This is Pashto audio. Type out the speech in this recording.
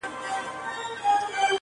يوه ورځ يو ځوان د کلي له وتلو فکر کوي,